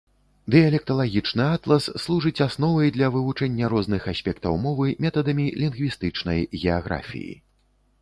Дыялекталагічны атлас служыць асновай для вывучэння розных аспектаў мовы метадамі лінгвістычнай геаграфіі.